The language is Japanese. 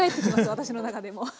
私の中でも。